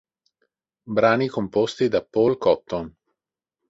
Brani composti da Paul Cotton